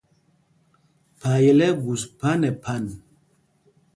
Phayel ɛ́ ɛ́ gus phā nɛ phan.